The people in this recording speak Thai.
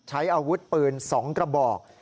ใช้อาวุธปืน๒กระบอก